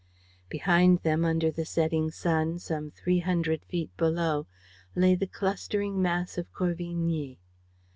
Behind them, under the setting sun, some three hundred feet below, lay the clustering mass of Corvigny.